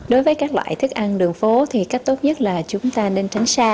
đối với các loại thức ăn đường phố thì cách tốt nhất là chúng ta nên tránh xa